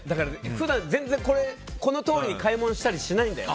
普段全然このとおりに買い物したりしないんだよ。